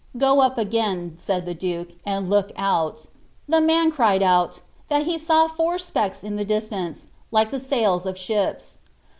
" Go up again," said the duke, ^ and look out." The man cried out, ^ That he saw four q^ks in the distance, like the sails of ships."